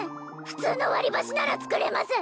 普通の割り箸なら作れます